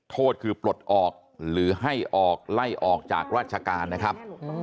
โทษคือปลดออกหรือให้ออกไล่ออกจากราชการนะครับ